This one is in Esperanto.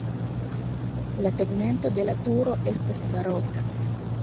La tegmento de la turo estas baroka.